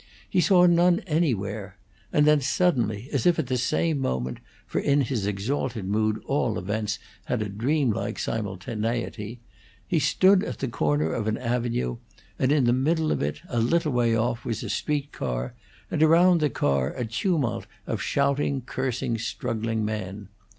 He saw none anywhere; and then suddenly, as if at the same moment, for in his exalted mood all events had a dream like simultaneity, he stood at the corner of an avenue, and in the middle of it, a little way off, was a street car, and around the car a tumult of shouting, cursing, struggling men.